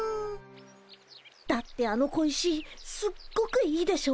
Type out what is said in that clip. だってあの小石すっごくいいでしょ。